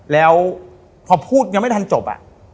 แล้วพอพูดยังไม่ทันจบ